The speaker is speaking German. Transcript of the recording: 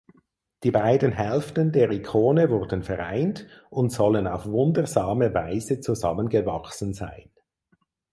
Die beiden Hälften der Ikone wurden vereint und sollen auf wundersame Weise zusammengewachsen sein.